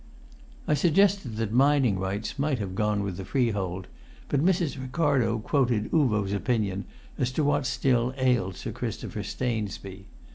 I suggested that mining rights might have gone with the freehold, but Mrs. Ricardo quoted Uvo's opinion as to what still ailed Sir Christopher Stainsby.